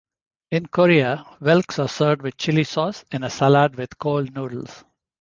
In Korea, whelks are served with chili sauce in a salad with cold noodles.